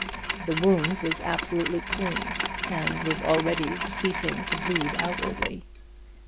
The wound was absolutely clean, and was already ceasing to bleed outwardly.